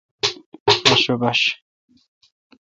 ااشوبش